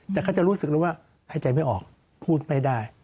แต่เขาจะรู้สึกเลยว่าหายใจไม่ออกพูดไม่ได้